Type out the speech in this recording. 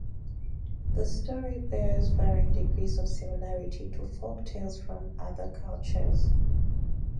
The story bears varying degrees of similarity to folktales from other cultures.